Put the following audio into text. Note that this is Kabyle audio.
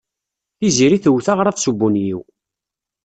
Tiziri twet aɣrab s ubunyiw.